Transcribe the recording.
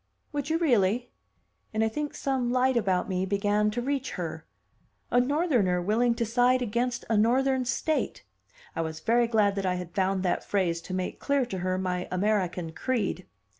"Would you really?" And I think some light about me began to reach her. A Northerner willing to side against a Northern state! I was very glad that I had found that phrase to make clear to her my American creed.